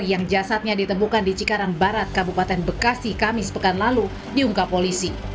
yang jasadnya ditemukan di cikarang barat kabupaten bekasi kamis pekan lalu diungkap polisi